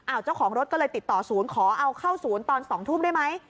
เจ้าของรถก็เลยติดต่อศูนย์ขอเอาเข้าศูนย์ตอน๒ทุ่มได้ไหม